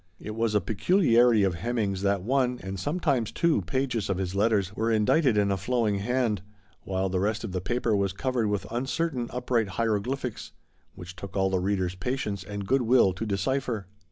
It was a peculiarity of 114 THE STOUT OF A MODERN WOMAN. Hemming's that one, and sometimes two, pages of his letters were indited in a flowing hand, while the rest of the paper was covered with uncertain, upright hieroglyphics, which took all the reader's patience and good will to decipher.